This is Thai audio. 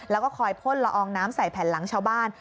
แล้วก็คอยพ่นละอองน้ำใส่แผ่นหลังชาวบ้าน